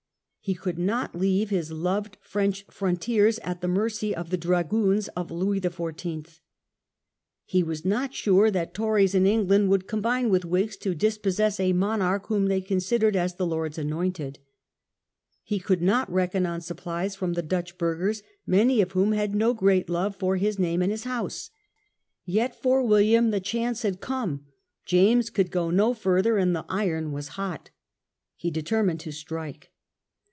He could not leave his loved Dutch frontiers at the mercy of the dragoons of Louis XIV. He was not sure that Tories in England would combine with Whigs to dispossess a monarch whom they considered as the Lord's Anointed. He could not reckon on supplies from the Dutch burghers, many of whom had no great love for his name and his house. Yet for William the chance had come. James could go no further and the iron was hot. He determined to strike.